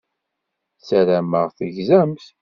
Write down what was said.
Ssarameɣ tegzamt.